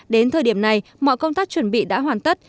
đến thời điểm này mọi công tác chuẩn bị đã hoàn tất